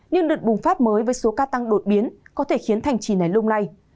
nhưng đợt bùng phát mới với số ca tăng đột biến có thể khiến thành trì này lung lay